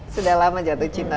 sudah lama jatuh cinta